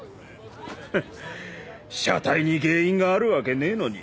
フン車体に原因があるわけねえのに。